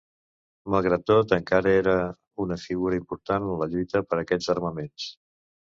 Malgrat tot, encara era una figura important en la lluita per aquests armaments.